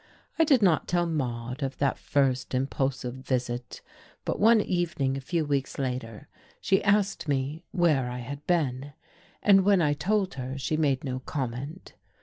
I did not tell Maude of that first impulsive visit; but one evening a few weeks later she asked me where I had been, and when I told her she made no comment.